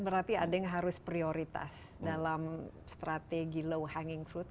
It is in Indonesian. berarti ada yang harus prioritas dalam strategi low hanging fruit